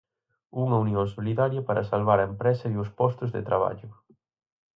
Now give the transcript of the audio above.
Unha unión solidaria para salvar a empresa e os postos de traballo.